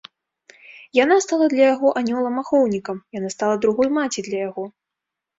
Яна стала для яго анёлам-ахоўнікам, яна стала другой маці для яго.